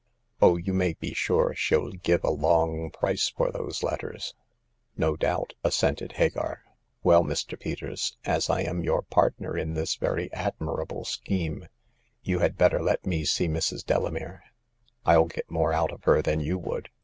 Oh, you may be sure she'll give a long price for those letters." ''No doubt," assented Hagar. "Well, Mr. Peters, as I am your partner in this very admi rable scheme, you had better let me see Mrs. Delamere. I'll get more out of her than you would."